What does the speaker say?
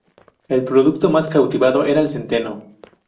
El producto más cultivado era el centeno.